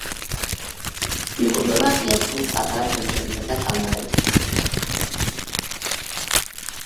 იკვებება ღია წყლის პატარა თევზებითა და კალმარებით.